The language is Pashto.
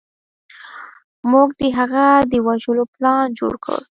موږ د هغه د وژلو پلان جوړ کړ.